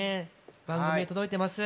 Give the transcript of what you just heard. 番組に届いてます。